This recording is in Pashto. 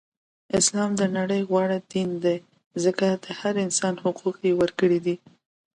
اسلام د نړی غوره دین دی ځکه د هر انسان حقوق یی ورکړی دی.